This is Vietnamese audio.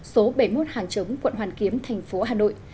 số bảy mươi một hàng chống quận hoàn kiếm thành phố hà nội